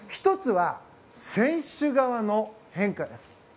１つは選手側の変化です。